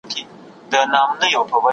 موږ تېره میاشت پروان ته تللي وو.